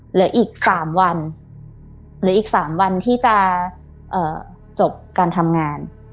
เหลืออีก๓วันหรืออีก๓วันที่จะจบการทำงาน